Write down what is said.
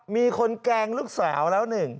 มีคนแกล้งลูกสาวแล้วหนึ่ง